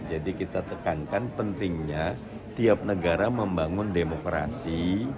jadi kita tekankan pentingnya tiap negara membangun demokrasi